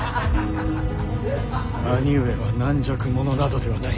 兄上は軟弱者などではない。